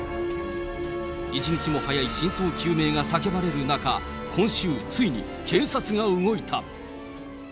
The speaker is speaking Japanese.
一日も早い真相究明が叫ばれる中、今週、ついに警察が動いた。